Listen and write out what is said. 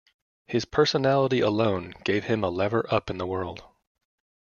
His personality alone gave him a lever up in the world.